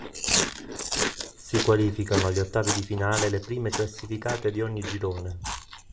Si qualificano agli Ottavi di finale le prime classificate di ogni girone.